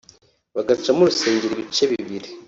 bagacamo urusengero ibice bibiri